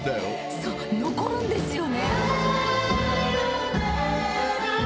そう残るんですよね。